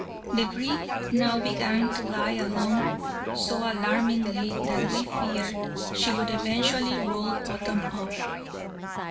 The brig now began to lie along so alarmingly that we feared she would eventually roll bottom up.